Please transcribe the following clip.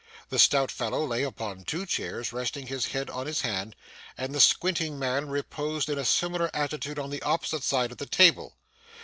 The stout fellow lay upon two chairs, resting his head on his hand, and the squinting man reposed in a similar attitude on the opposite side of the table.